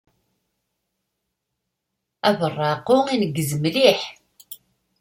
Abeṛṛeεqu ineggez mliḥ.